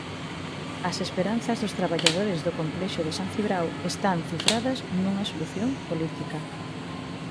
As esperanzas dos traballadores do complexo de San Cibrao están cifradas nunha solución política.